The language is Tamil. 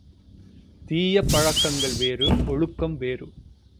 தீய பழக்கங்கள் வேறு ஒழுக்கம் வேறு.